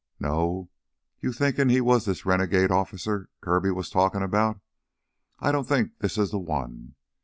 "No, you thinkin' he was this renegade officer Kirby was talkin' about? I don't think this is the one.